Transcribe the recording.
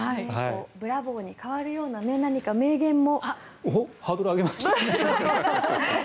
ブラボーに代わるような何か名言も。